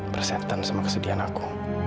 bersetan sama kesedihan aku